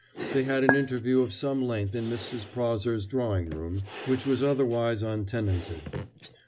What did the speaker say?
They had an interview of some length in Mrs. Prawser's drawing room, which was otherwise untenanted.